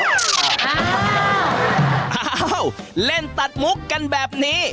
อ้าวเล่นตัดมุกกันแบบนี้